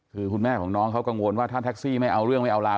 คือคุณแม่ของน้องเขากังวลว่าถ้าแท็กซี่ไม่เอาเรื่องไม่เอาลาว